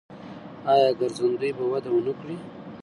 آیا ګرځندوی به وده ونه کړي؟